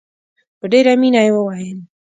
په ډېره مینه یې وویل.